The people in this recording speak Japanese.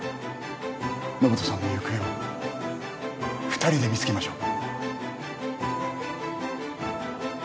延人さんの行方を二人で見つけましょう。